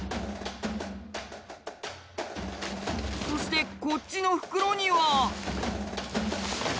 そしてこっちの袋には。